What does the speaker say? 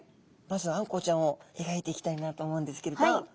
まずあんこうちゃんをえがいていきたいなと思うんですけれど。